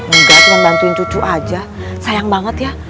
enggak cuma bantuin cucu aja sayang banget ya